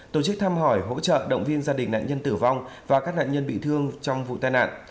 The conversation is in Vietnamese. tổ chức thăm hỏi hỗ trợ động viên gia đình nạn nhân tử vong và các nạn nhân bị thương trong vụ tai nạn